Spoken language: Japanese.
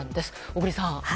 小栗さん。